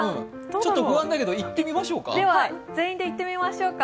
ちょっと不安だけどいってみましょうか。